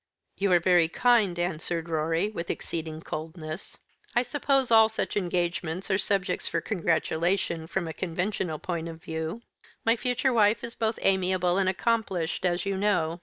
"You are very kind," answered Rorie, with exceeding coldness. "I suppose all such engagements are subjects for congratulation, from a conventional point of view. My future wife is both amiable and accomplished, as you know.